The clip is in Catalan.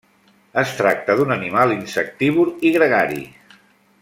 Es tracta d'un animal insectívor i gregari.